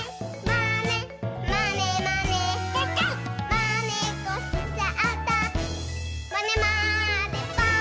「まねっこしちゃったまねまねぽん！」